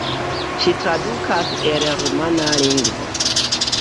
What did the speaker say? Ŝi tradukas el rumana lingvo.